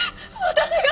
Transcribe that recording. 私が。